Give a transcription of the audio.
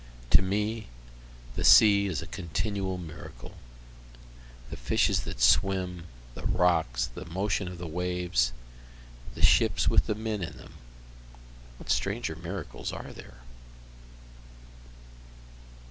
To me the sea is a continual miracle, The fishes that swim the rocks the motion of the waves the ships with the men in them, What stranger miracles are there?